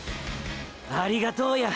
ありがとうや。